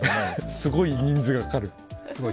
すごい人数がかかる。